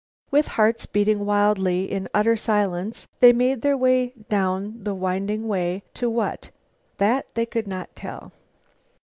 With hearts beating wildly, in utter silence they made their way down, down the winding way to what? That, they could not tell.